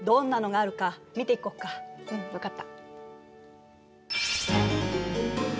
うん分かった。